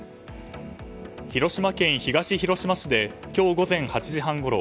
広島県東広島市で今日午前８時半ごろ